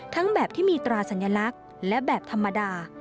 แบบที่มีตราสัญลักษณ์และแบบธรรมดา